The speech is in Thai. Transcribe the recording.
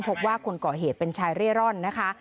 คนก่อเหตุเป็นชายเร่ร่อนนะคะ